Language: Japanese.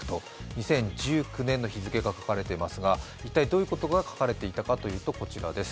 ２０１９年の日付が書かれていますが、どういうことが書かれていたかというとこちらです。